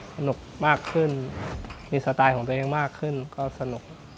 สนุกมากขึ้นมีสไตล์ของตัวเองมากขึ้นก็สนุก